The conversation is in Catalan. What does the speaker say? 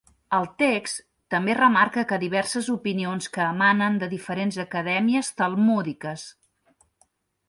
El text també remarca que diverses opinions que emanen de diferents acadèmies talmúdiques.